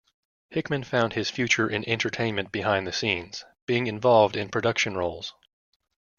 Hickman found his future in entertainment behind the scenes, being involved in production roles.